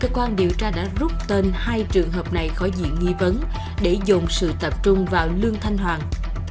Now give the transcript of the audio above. cơ quan điều tra đã rút tên hai trường hợp này khỏi diện nghi vấn để dồn sự tập trung vào lương thanh hoàng